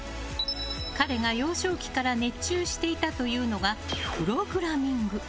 彼が幼少期から熱中していたというのがプログラミング。